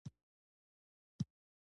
د سترګو درد لپاره د چای کڅوړه وکاروئ